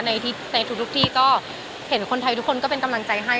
ในทุกที่ก็เห็นคนไทยทุกคนก็เป็นกำลังใจให้